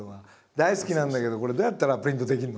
大好きなんだけど「これどうやったらプリントできるの？」